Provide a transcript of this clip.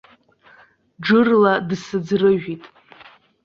Џырла дсыӡрыжәит.